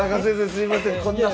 すいません。